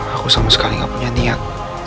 aku sama sekali gak punya niat